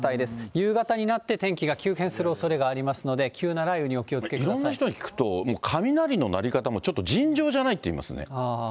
夕方になって天気が急変するおそれがありますので、いろんな人に聞くと、もう雷の鳴り方も、ちょっと尋常じゃないっていいますね。